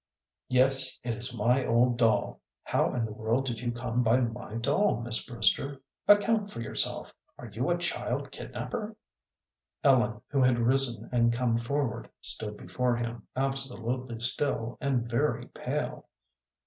"Yes, it is my old doll! How in the world did you come by my doll, Miss Brewster? Account for yourself. Are you a child kidnapper?" Ellen, who had risen and come forward, stood before him, absolutely still, and very pale.